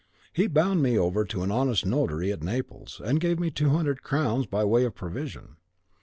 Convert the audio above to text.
He bound me over to an honest notary at Naples, and gave me two hundred crowns by way of provision.